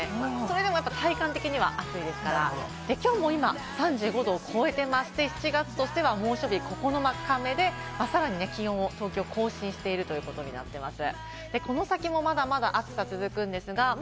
でも体感的には暑いですから、きょうも今３５度を超えていまして、７月としては猛暑日９日目で、さらに東京は気温を記録を更新しているということです。